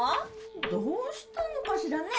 どうしたのかしらね？